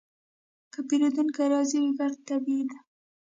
که پیرودونکی راضي وي، ګټه طبیعي ده.